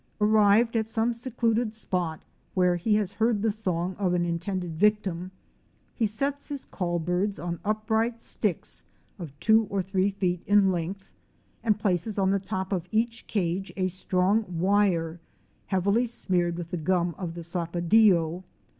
Arrived at some secluded spot, where he has heard the song of an intended victim, he sets his call birds on upright sticks of two or three feet in length and places on the top of each cage a strong wire, heavily smeared with the gum of the sapadillo.